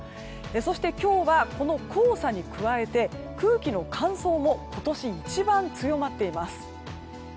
そして今日は、この黄砂に加えて空気の乾燥も今年一番強まっています。